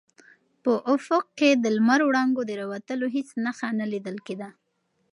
په افق کې د لمر وړانګو د راوتلو هېڅ نښه نه لیدل کېده.